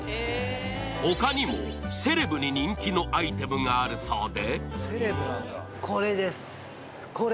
他にもセレブに人気のアイテムがあるそうで。